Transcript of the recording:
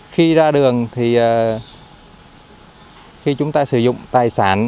khi ra đường thì khi chúng ta sử dụng tài sản